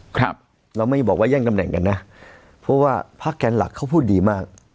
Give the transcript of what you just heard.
ครับเราไม่บอกว่าแย่งตำแหน่งกันนะเพราะว่าพักแกนหลักเขาพูดดีมาก